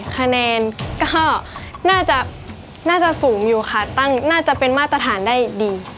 คะแนนก็น่าจะสูงอยู่ค่ะตั้งน่าจะเป็นมาตรฐานได้ดี